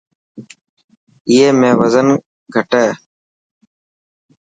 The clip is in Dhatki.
ائي ۾ وزن کهٽي.